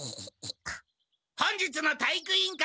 本日の体育委員会